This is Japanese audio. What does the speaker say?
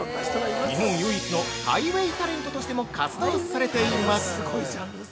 日本唯一のハイウェイタレントとしても活動されています！